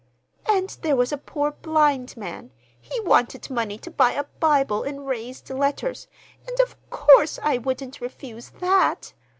And there was a poor blind man—he wanted money to buy a Bible in raised letters; and of course I wouldn't refuse that!